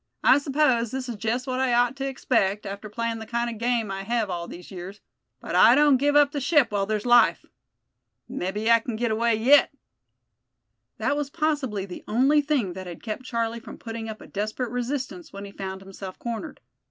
I s'pose this is jest what I ought to expect, after playin' the kind o' game I hev all these years; but I don't give up the ship while there's life. Mebbe so I kin git away yet." That was possibly the only thing that had kept Charlie from putting up a desperate resistance when he found himself cornered.